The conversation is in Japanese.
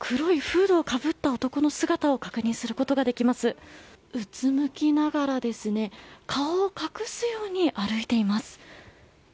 うつむきながら顔を隠すように歩いています。